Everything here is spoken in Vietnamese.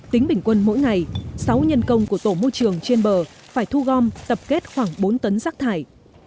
tính bình quân mỗi ngày sáu nhân công của tổ môi trường trên bờ phải thu gom tập kết khoảng bốn tấn rác thải